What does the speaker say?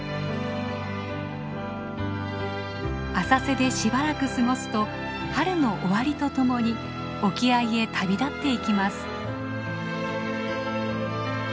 浅瀬でしばらく過ごすと春の終わりとともに沖合へ旅立っていきます。